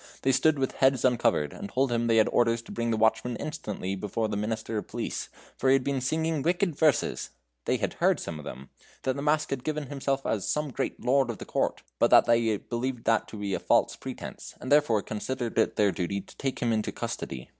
They stood with heads uncovered, and told him they had orders to bring the watchman instantly before the Minister of Police, for he had been singing wicked verses, they had heard some of them; that the mask had given himself out as some great lord of the court, but that they believed that to be a false pretence, and therefore considered it their duty to take him into custody.